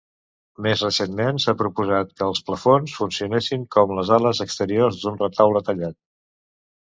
Més recentment s'ha proposat que els plafons funcionessin com les ales exteriors d'un retaule tallat.